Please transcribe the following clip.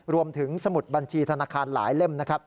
รวมถึงสมุดบัญชีทานาคารหลายเล่ม